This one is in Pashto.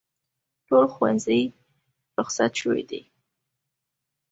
ټول ښوونځي روخصت شوي دي